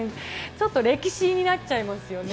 ちょっと歴史になっちゃいますよね。